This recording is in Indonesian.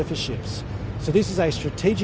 jadi ini adalah investasi strategis